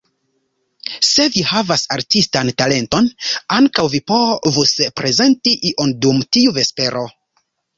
Se vi havas artistan talenton, ankaŭ vi povus prezenti ion dum tiu vespero.